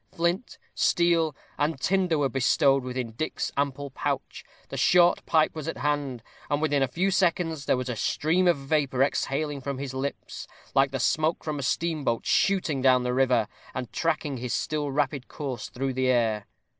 Flint, steel, and tinder were bestowed within Dick's ample pouch, the short pipe was at hand, and within a few seconds there was a stream of vapor exhaling from his lips, like the smoke from a steamboat shooting down the river, and tracking his still rapid course through the air.